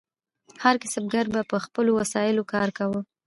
هر کسبګر به په خپلو وسایلو کار کاوه.